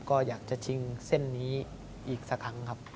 ก็อยากจะชิงเส้นนี้อีกสักครั้งครับ